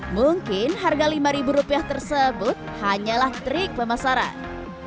mungkin harga lima ribu rupiah tersebut hanyalah trik pemasaran